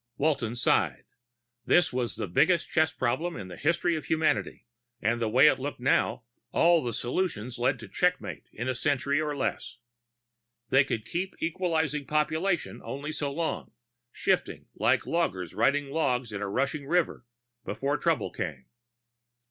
_ Walton sighed. This was the biggest chess problem in the history of humanity, and the way it looked now, all the solutions led to checkmate in a century or less. They could keep equalizing population only so long, shifting like loggers riding logs in a rushing river, before trouble came.